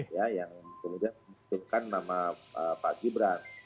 yang kemudian menunjukkan nama pak gibran